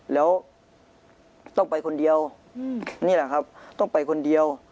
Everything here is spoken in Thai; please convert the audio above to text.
แล้วต้องไปคนเดียวนี่แหละครับต้องไปคนเดียว